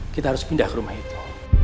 kita harus pindah ke rumah itu